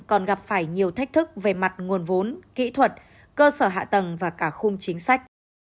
còn gặp phải nhiều thách thức về mặt nguồn vốn kỹ thuật cơ sở hạ tầng và cả khung chính sách